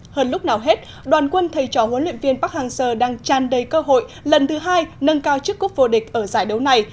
hơn lúc nào hết đoàn quân thầy trò huấn luyện viên bắc hàng sơ đang chan đầy cơ hội lần thứ hai nâng cao chức quốc vô địch ở giải đấu này